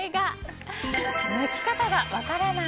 泣き方が分からない！